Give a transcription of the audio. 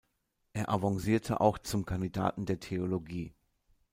Er avancierte auch zum Kandidaten der Theologie.